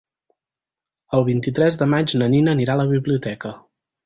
El vint-i-tres de maig na Nina anirà a la biblioteca.